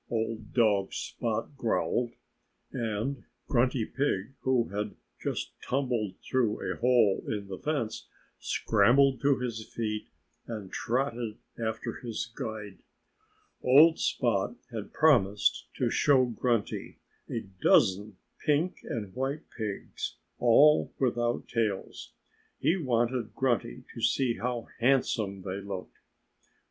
old dog Spot growled. And Grunty Pig, who had just tumbled through a hole in the fence, scrambled to his feet and trotted after his guide. Old Spot had promised to show Grunty a dozen pink and white pigs, all without tails. He wanted Grunty to see how handsome they looked.